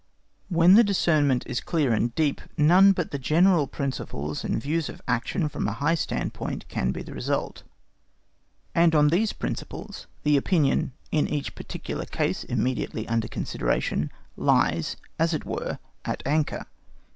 When the discernment is clear and deep, none but general principles and views of action from a high standpoint can be the result; and on these principles the opinion in each particular case immediately under consideration lies, as it were, at anchor.